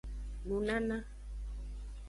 Nunana.